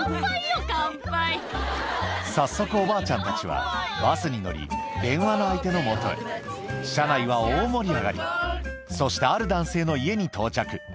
おばあちゃんたちはバスに乗り車内は大盛り上がりそしてある男性の家に到着